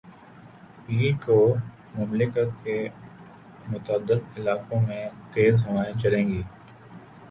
پیر کو مملکت کے متعدد علاقوں میں تیز ہوائیں چلیں گی